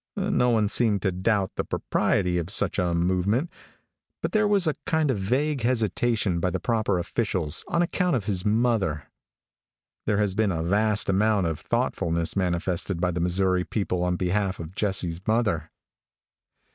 No one seemed to doubt the propriety of such a movement, but there was a kind of vague hesitation by the proper officials on account of his mother. There has been a vast amount of thoughtfulness manifested by the Missouri people on behalf of Jesse's mother.